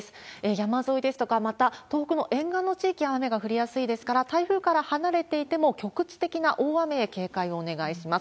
山沿いですとか、また、東北の沿岸の地域は雨が降りやすいですから、台風から離れていても、局地的な大雨へ警戒をお願いします。